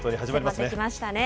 迫ってきましたね。